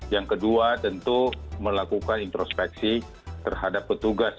yang kedua tentu melakukan introspeksi terhadap petugas